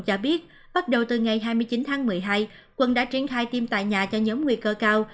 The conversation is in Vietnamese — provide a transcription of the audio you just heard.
cho biết bắt đầu từ ngày hai mươi chín tháng một mươi hai quân đã triển khai tiêm tại nhà cho nhóm nguy cơ cao